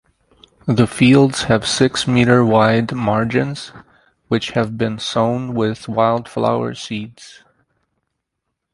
The fields have six metre wide margins which have been sown with wildflower seeds.